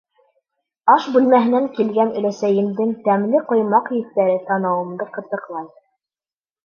Аш бүлмәһенән килгән өләсәйемдең тәмле ҡоймаҡ еҫтәре танауымды ҡытыҡлай.